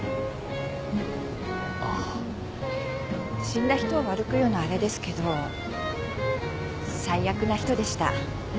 死んだ人を悪く言うのはあれですけど最悪な人でした。